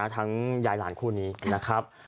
ยายหลานคู่นี้นะครับ